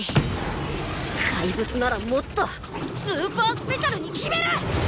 かいぶつならもっとスーパースペシャルに決める！